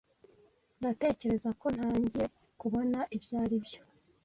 Ndatekereza ko ntangiye kubona ibyaribyo.